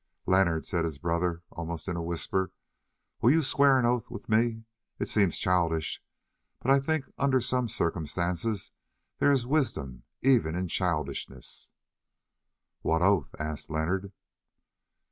"Leonard," said his brother almost in a whisper, "will you swear an oath with me? It seems childish, but I think that under some circumstances there is wisdom even in childishness." "What oath?" asked Leonard.